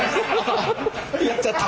やっちゃった。